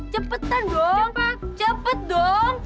cepetan dong cepet dong